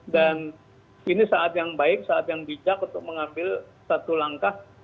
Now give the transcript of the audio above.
dan ini saat yang baik saat yang bijak untuk mengambil satu langkah